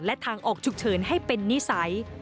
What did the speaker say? และทางออกฉุกเฉินให้เป็นนิสัย